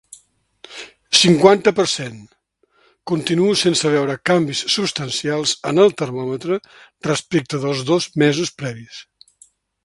Cinquanta per cent Continuo sense veure canvis substancials en el termòmetre respecte dels dos mesos previs.